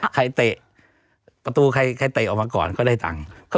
เตะประตูใครเตะออกมาก่อนก็ได้ตังค์